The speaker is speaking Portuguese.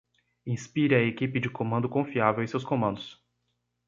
Inspire a equipe de comando confiável e seus comandos.